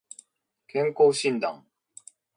健康診断